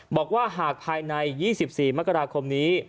บอกว่าหากภายใน๒๔มกราคมนี้